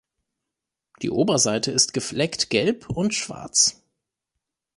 Die Oberseite ist gefleckt gelb und schwarz.